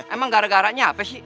emang gara garanya apa sih